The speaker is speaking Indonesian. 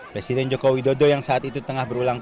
presiden joko widodo yang saat itu tengah berulang